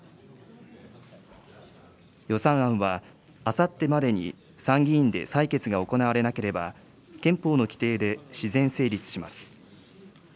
予算案は、あさってまでに参議院で採決が行われなければ、憲法の規定で自然成立します。